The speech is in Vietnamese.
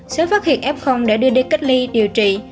sớm phát hiện f để đưa đi cách ly điều trị